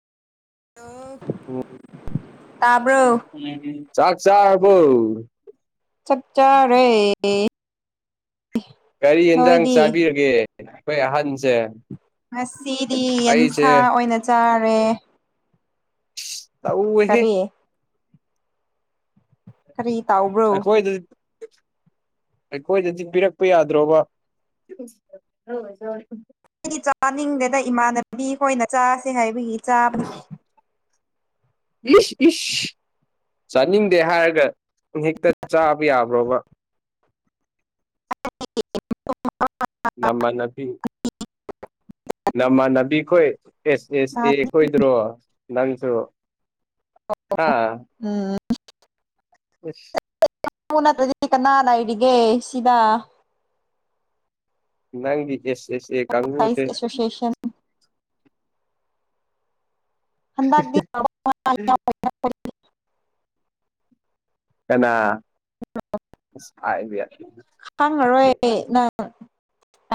ꯇꯥꯕ꯭ꯔꯣ [unintelligible] ꯆꯥꯛ ꯆꯕ ꯆꯥꯛ ꯆꯥꯔꯦ ꯀꯔꯤ ꯌꯦꯟꯁꯥꯡ ꯅꯣꯏꯗꯤ ꯆꯥꯕꯤꯔꯒꯦ ꯑꯩꯈꯣꯏ ꯑꯍꯟꯁꯦ ꯉꯁꯤꯗꯤ ꯑꯩꯁꯦ ꯌꯦꯟꯁꯥ ꯑꯣꯏꯅ ꯆꯥꯔꯦ ꯇꯧ ꯑꯦꯍꯦ ꯀꯔꯤ ꯀꯔꯤ ꯇꯥꯎꯕ꯭ꯔꯣ [inaudible] ꯑꯩꯈꯣꯏꯗꯗꯤ ꯄꯤꯔꯛꯄ ꯌꯥꯗ꯭ꯔꯣꯕ ꯑꯩꯒꯤ ꯆꯥꯅꯤꯡꯗꯗ ꯏꯃꯥꯟꯅꯕꯤ ꯑꯩꯈꯣꯏꯅ ꯆꯥꯁꯦ ꯍꯥꯏꯕꯒꯤ ꯆꯥꯕꯅꯤ ꯏꯁ ꯏꯁ ꯆꯥꯅꯤꯡꯗꯦ ꯍꯥꯏꯔꯒ ꯍꯦꯛꯇ ꯆꯥꯕ ꯌꯥꯕ꯭ꯔꯣꯕ [inaudible] ꯅꯃꯅꯄꯤ ꯅꯃ ꯅꯕꯤꯈꯣꯏ ꯑꯦꯁ ꯑꯦꯁ ꯑꯦ ꯀꯣꯏꯗ꯭ꯔꯣ ꯅꯪꯁꯨ ꯍꯥꯥ ꯎꯝ ꯈꯁ ꯅꯠꯇ꯭ꯔꯗꯤ ꯀꯅꯥ ꯂꯏꯒ ꯁꯤꯗ ꯅ ꯑꯦꯁ ꯑꯦꯁ ꯑꯦ ꯀꯥꯒꯨꯁ ꯑꯦꯁꯣꯁꯤꯌꯦꯁꯟ ꯍꯟꯗ ꯀꯅꯥ ꯍꯥꯏꯕꯤ ꯈꯪꯉꯔꯣꯏ ꯅꯪ